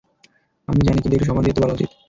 আমি জানি, কিন্ত একটু সম্মান দিয়ে তো বলা উচিত।